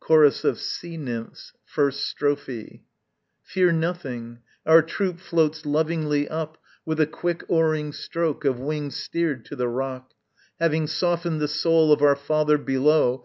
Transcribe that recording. Chorus of Sea Nymphs, 1st Strophe. Fear nothing! our troop Floats lovingly up With a quick oaring stroke Of wings steered to the rock, Having softened the soul of our father below.